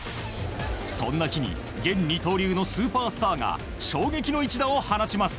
そんな日に現二刀流のスーパースターが衝撃の一打を放ちます。